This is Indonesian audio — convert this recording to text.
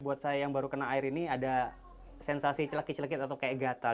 buat saya yang baru kena air ini ada sensasi celekit celekit atau kayak gatal